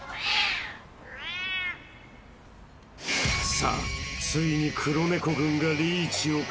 ［さあついに黒猫軍がリーチをかけた］